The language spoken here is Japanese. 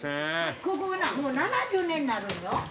ここなもう７０年になるんよ。